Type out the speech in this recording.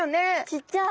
ちっちゃい。